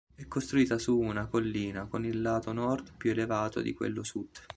È costruita su una collina, con il lato nord più elevato di quello sud.